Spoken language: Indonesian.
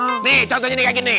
nih contohnya kayak gini